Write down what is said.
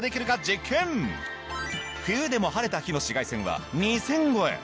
冬でも晴れた日の紫外線は２０００超え。